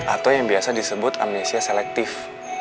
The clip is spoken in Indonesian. atau yang biasa disebut amnesia selektif